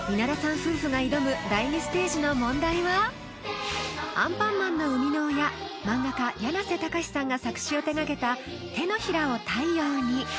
夫婦が挑む第２ステージの問題は「アンパンマン」の生みの親漫画家やなせたかしさんが作詞を手がけた「手のひらを太陽に」